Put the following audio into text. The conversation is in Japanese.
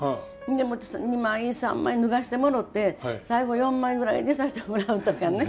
で２枚３枚脱がしてもろて最後４枚ぐらいでさしてもらうとかね。